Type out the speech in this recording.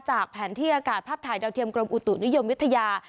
แผนที่อากาศภาพถ่ายดาวเทียมกรมอุตุนิยมวิทยา